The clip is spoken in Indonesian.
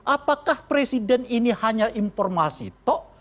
apakah presiden ini hanya informasi tok